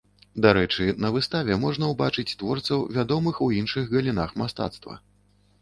Дарэчы, на выставе можна ўбачыць творцаў, вядомых у іншых галінах мастацтва.